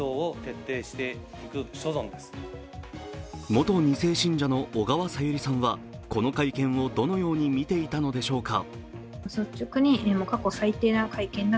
元２世信者の小川さゆりさんはこの会見をどのように見ていたのでしょうか。